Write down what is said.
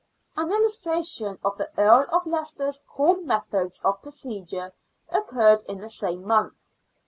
An illustration of the Earl of Leicester's cool methods of procedure occured in the same month.